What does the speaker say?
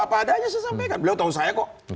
apa adanya saya sampaikan beliau tahu saya kok